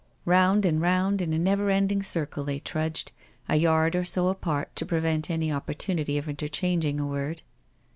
Round and round in a never ending circle they trudged, a yard or so apart to prevent any opportunity of interchanging a word.